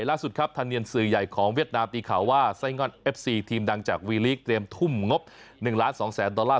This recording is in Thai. ล่าสุดครับธาเนียนสื่อใหญ่ของเวียดนามตีข่าวว่าไส้ง่อนเอฟซีทีมดังจากวีลีกเตรียมทุ่มงบ๑ล้าน๒แสนดอลลาร์